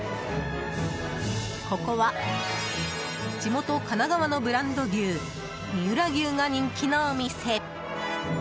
ここは地元・神奈川のブランド牛三浦牛が人気のお店。